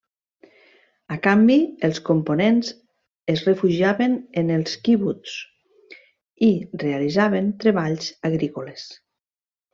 A canvi, els components es refugiaven en el quibuts i realitzaven treballs agrícoles.